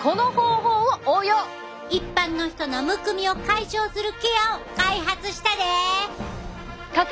一般の人のむくみを解消するケアを開発したで！